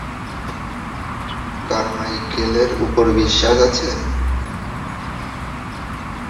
কারমাইকেলের উপর বিশ্বাস আছে?